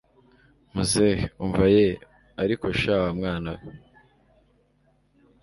muzehe umva yewe! ariko sha wamwana we